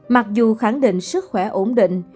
mặc dù khẳng định sức khỏe ổn định